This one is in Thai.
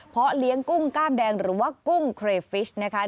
เพราะเลี้ยงกุ้งกล้ามแดงหรือว่ากุ้งเครฟิชนะคะ